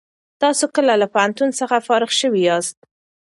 تاسو کله له پوهنتون څخه فارغ شوي یاست؟